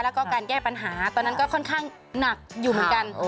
แล้วก็การแก้ปัญหาตอนนั้นก็ค่อนข้างหนักอยู่เหมือนกัน